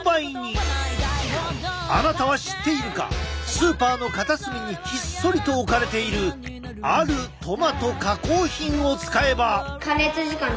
スーパーの片隅にひっそりと置かれているあるトマト加工品を使えば。